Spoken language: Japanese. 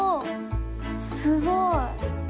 すごい。